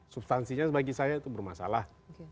substansinya bagi saya itu bermasalah